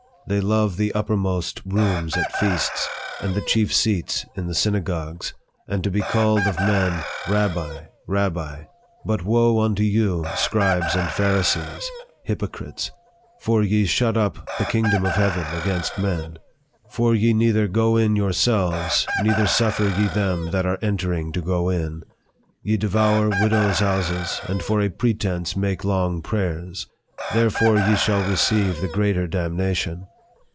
They love the uppermost rooms at feasts, and the chief seats in the synagogues, and to be called of men, Rabbi, Rabbi. But woe unto you, scribes and Pharisees, hypocrites ! for ye shut up the kingdom of heaven against men ; for ye neither go in yourselves, neither suffer ye them that are entering to go in. Ye devour widows' houses, and for a pretence make long prayers ; therefore ye shall receive the greater damnation.